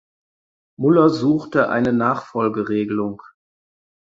Muller suchte eine Nachfolgeregelung.